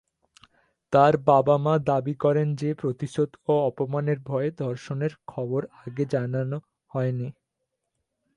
তার বাবা-মা দাবি করেন যে, প্রতিশোধ ও অপমানের ভয়ে ধর্ষণের খবর আগে জানানো হয়নি।